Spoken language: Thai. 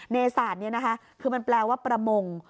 ในศาสตร์นี้นะคะคือมันแปลว่าประมง